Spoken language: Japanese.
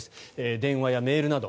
電話やメールなど。